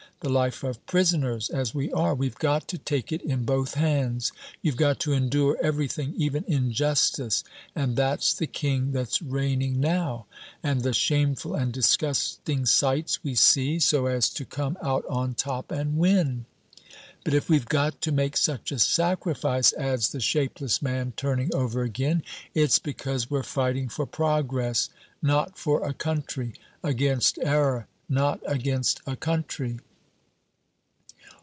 The life of prisoners as we are, we've got to take it in both hands. You've got to endure everything, even injustice and that's the king that's reigning now and the shameful and disgusting sights we see, so as to come out on top, and win. But if we've got to make such a sacrifice," adds the shapeless man, turning over again, "it's because we're fighting for progress, not for a country; against error, not against a country."